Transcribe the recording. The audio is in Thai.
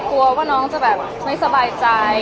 กลัวว่าน้องจะแบบไม่สบายใจ